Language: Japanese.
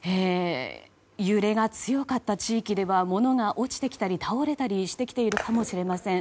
揺れが強かった地域では物が落ちてきたり倒れたりしてきているかもしれません。